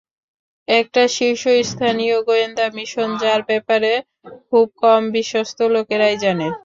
একটা শীর্ষস্থানীয় গোয়েন্দা মিশন যার ব্যাপারে খুব কম বিশ্বস্ত লোকেরাই জানে।